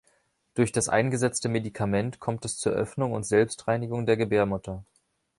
Durch das eingesetzte Medikament kommt es zur Öffnung und Selbstreinigung der Gebärmutter.